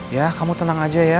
ya kamu tenang aja ya